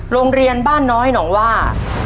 โรงเรียนบ้านน้อยหนองว่า